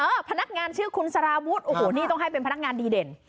พนักงานชื่อคุณสารวุฒิโอ้โหนี่ต้องให้เป็นพนักงานดีเด่น